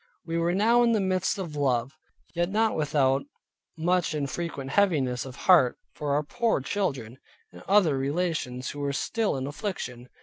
We were now in the midst of love, yet not without much and frequent heaviness of heart for our poor children, and other relations, who were still in affliction.